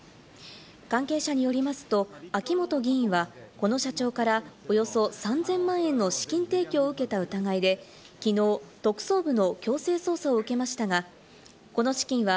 関係者によりますと、秋本議員はこの社長からおよそ３０００万円の資金提供を受けた疑いできのう、特捜部の強制捜査を受けましたが、この資金は